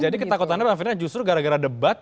jadi ketakutannya pak arief budiman justru gara gara debat